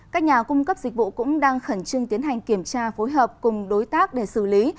các nhà cung cấp dịch vụ cũng đang khẩn trương tiến hành kiểm tra phối hợp cùng đối tác để xử lý